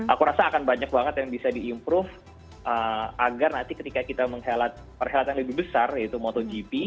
aku rasa akan banyak banget yang bisa di improve agar nanti ketika kita menghelat perhelatan yang lebih besar yaitu motogp